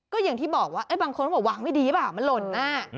ก็อย่างที่บอกว่าบางคนเขาบอกวางไม่ดีเปล่ามันหล่นหน้า